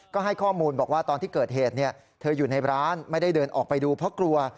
ก็ให้ข้อมูลบอกว่าตอนที่เกิดเหตุเธออยู่ในร้านไม่ได้เดินออกไปดูเพราะกลัว